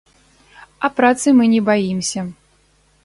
А працы мы не баімся.